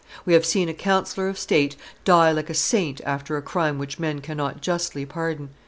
We have seen a councillor of state die like a saint after a crime which men cannot justly pardon.